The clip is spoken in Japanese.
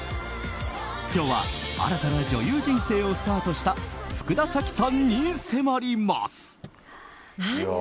今日は新たな女優人生をスタートした福田沙紀さんに迫ります。